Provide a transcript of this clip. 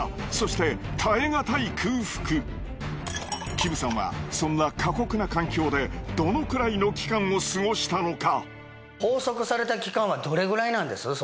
キムさんはそんな過酷な環境でどのくらいの期間を過ごしたのか？